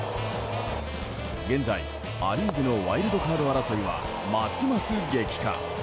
現在ア・リーグのワイルドカード争いはますます激化。